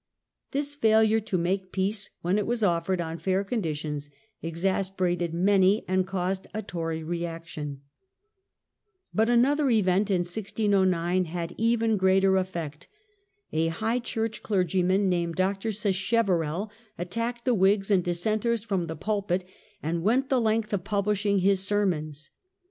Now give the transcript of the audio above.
This failure to make peace when it was offered on fair conditions exasperated many and caused a Tory reaction. But another event in 1 609 had even more effect. A high church clergyman, named Dr. Sacheverell, attacked the Whigs and Dissenters from the pulpit, and Dr. sacheve went the length of publishing his sermons.